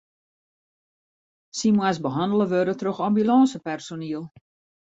Sy moast behannele wurde troch ambulânsepersoniel.